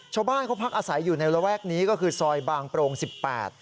ชาวบ้านเขาพักอาศัยอยู่ในระแวกนี้ก็คือซอยบางโปรงสิบแปด